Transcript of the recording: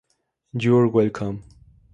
You're Welcome.